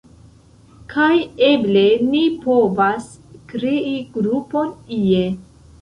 kaj eble ni povas krei grupon ie